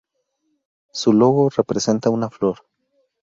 Su logo representa una flor.